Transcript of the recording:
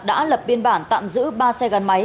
đã lập biên bản tạm giữ ba xe gắn máy